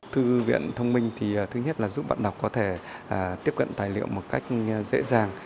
thư viện thông minh thì thứ nhất là giúp bạn đọc có thể tiếp cận tài liệu một cách dễ dàng